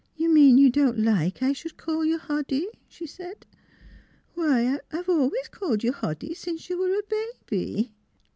You mean you don't like I should call you Hoddy?" she said. "Why, I've always called you Hoddy since you were a baby."